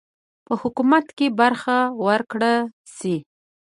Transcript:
په حکومت کې برخه ورکړه سي.